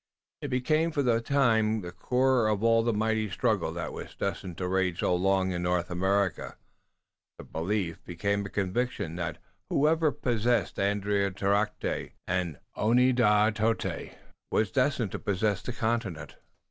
It became for the time the core of all the mighty struggle that was destined to rage so long in North America. The belief became a conviction that whoever possessed Andiatarocte and Oneadatote was destined to possess the continent.